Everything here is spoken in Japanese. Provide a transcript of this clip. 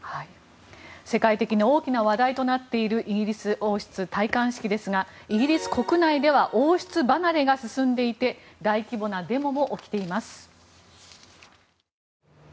世界的に大きな話題となっているイギリス王室戴冠式ですがイギリス国内では王室離れが進んでいて大規模なデモも起きています。